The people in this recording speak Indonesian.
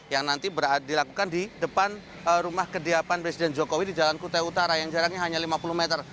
yang nanti dilakukan di depan rumah kediaman presiden jokowi di jalan kutai utara yang jaraknya hanya lima puluh meter